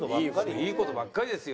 いい事ばっかりですよ。